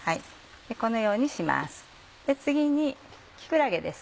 このようにします